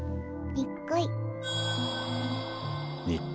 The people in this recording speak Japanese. にっこり。